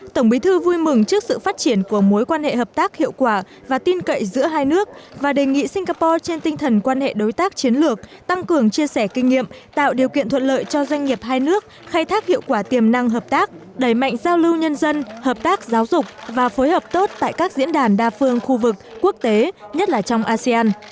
tổng bí thư vui mừng trước sự phát triển của mối quan hệ hợp tác hiệu quả và tin cậy giữa hai nước và đề nghị singapore trên tinh thần quan hệ đối tác chiến lược tăng cường chia sẻ kinh nghiệm tạo điều kiện thuận lợi cho doanh nghiệp hai nước khai thác hiệu quả tiềm năng hợp tác đẩy mạnh giao lưu nhân dân hợp tác giáo dục và phối hợp tốt tại các diễn đàn đa phương khu vực quốc tế nhất là trong asean